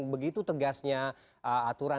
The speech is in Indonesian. begitu tegasnya aturan